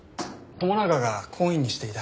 友永が懇意にしていた。